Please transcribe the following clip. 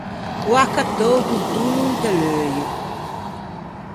Ò accattou do tonno inte l’euio.